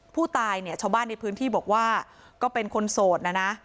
ผู้ตายเนี่ยชาวบ้านในพื้นที่บอกว่าก็เป็นคนโสดนะนะ